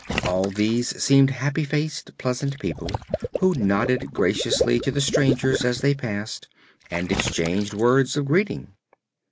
All these seemed happy faced, pleasant people, who nodded graciously to the strangers as they passed, and exchanged words of greeting.